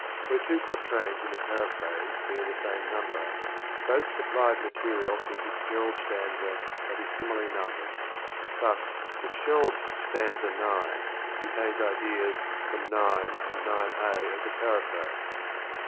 Where two quatrains in the paraphrase bear the same number, both supplied material for the FitzGer aid stanza that is similarly numbered; thus, Fitz Gerald's stanza IX contains ideas from IX and IX A of the paraphrase.